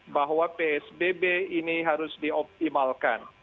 bahwa psbb ini harus dioptimalkan